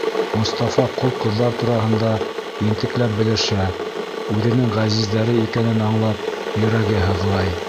Мостафа ҡол ҡыҙҙар тураһында ентекләп белешә, үҙенең ғәзиздәре икәнен аңлап, йөрәге һыҙлай.